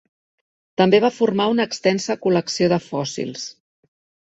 També va formar una extensa col·lecció de fòssils.